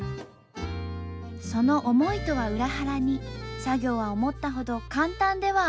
その思いとは裏腹に作業は思ったほど簡単ではありませんでした。